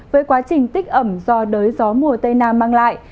với quá trình tích ẩm do đới gió mùa tây nam mang lại